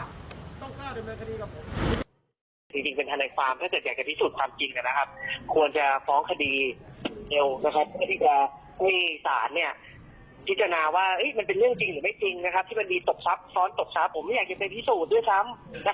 ว่ามันมีจริงหรือเปล่า